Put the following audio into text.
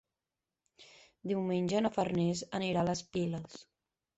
Diumenge na Farners anirà a les Piles.